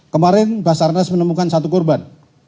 kemarin basarnas menemukan satu korban